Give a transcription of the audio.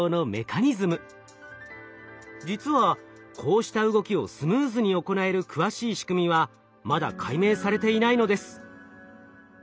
実はこうした動きをスムーズに行える詳しい仕組みはまだ解明されていないのです。